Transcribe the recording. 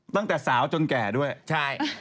ตั้งแต่สาวจนแก่ด้วยใช่